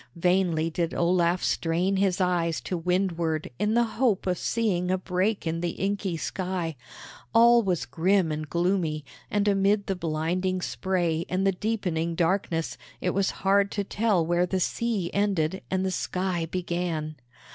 Vainly did Olaf strain his eyes to windward in the hope of seeing a break in the inky sky. All was grim and gloomy, and amid the blinding spray and the deepening darkness it was hard to tell where the sea ended and the sky began.